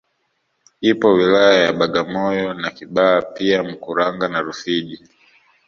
Ipo wilaya ya Bagamoyo na Kibaha pia Mkuranga na Rufiji